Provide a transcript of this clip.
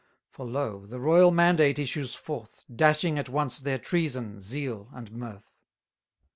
For lo! the royal mandate issues forth, Dashing at once their treason, zeal, and mirth!